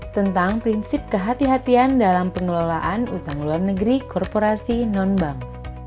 tentang prinsip kehatian dalam pengelolaan utang luar negeri korporasi non bank